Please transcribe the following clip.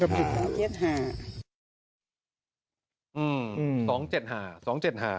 เพชร๒๗๕